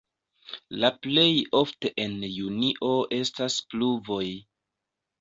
La plej ofte en junio estas pluvoj.